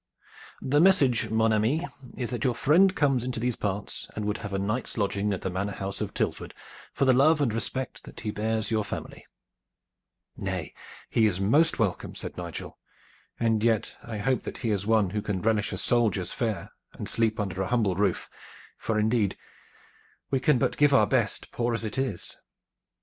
"The message, mon ami, is that your friend comes into these parts and would have a night's lodging at the manor house of Tilford for the love and respect that he bears your family." "Nay, he is most welcome," said Nigel, "and yet I hope that he is one who can relish a soldier's fare and sleep under a humble roof, for indeed we can but give our best, poor as it is."